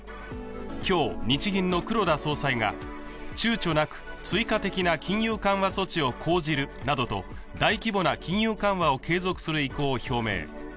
今日、日銀の黒田総裁がちゅうちょなく追加的な金融緩和策を講じるなどと大規模な金融緩和を継続する意向を表明。